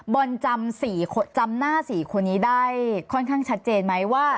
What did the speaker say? บอลจำหน้า๔คนนี้ได้ค่อนข้างชัดเจนไหมว่า